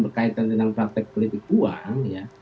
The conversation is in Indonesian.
berkaitan dengan praktek politik uang